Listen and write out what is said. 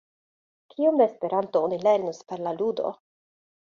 Kiom da Esperanto oni lernos per la ludo?